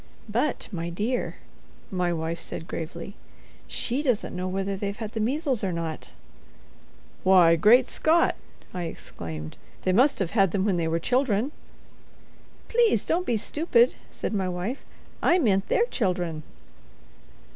"But, my dear," my wife said, gravely, "she doesn't know whether they've had the measles or not." "Why, Great Scott!" I exclaimed, "they must have had them when they were children." "Please don't be stupid," said my wife. "I meant their children."